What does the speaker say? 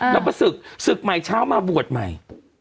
แล้วก็ศึกศึกใหม่เช้ามาบวชใหม่